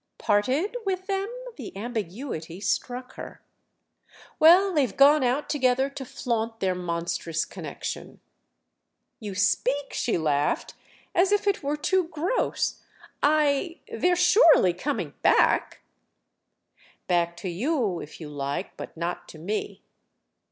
"'Parted' with them?"—the ambiguity struck her. "Well, they've gone out together to flaunt their monstrous connection!" "You speak," she laughed, "as if it were too gross—I They're surely coming back?" "Back to you, if you like—but not to me."